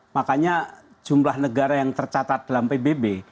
makanya jumlah negara yang tercatat dalam pbb